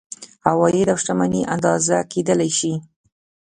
عواید او شتمني اندازه کیدلی شي.